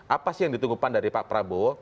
apa sih yang ditunggu pan dari pak prabowo